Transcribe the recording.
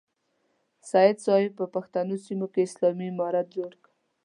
سید صاحب په پښتنو سیمه کې اسلامي امارت جوړ کړ.